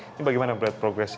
ini bagaimana melihat progresnya